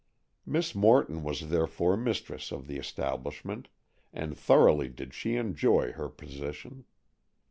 Miss Morton was therefore mistress of the establishment, and thoroughly did she enjoy her position.